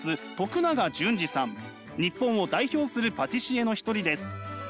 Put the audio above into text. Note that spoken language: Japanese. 日本を代表するパティシエの一人です。